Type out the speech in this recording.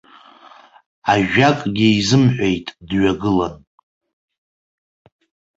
Ажәакгьы изымҳәеит дҩагылан.